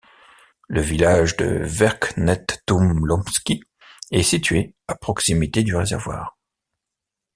Le village de Verkhnetoulomski est situé à proximité du réservoir.